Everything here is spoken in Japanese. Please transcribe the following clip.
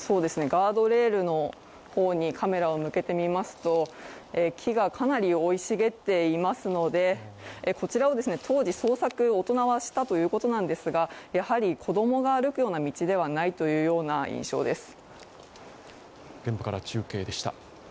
ガードレールの方にカメラを向けてみますと木がかなり生い茂っていますのでこちらを当時捜索を、大人はしたということですが、やはり子供が歩くような道ではないというような印象です。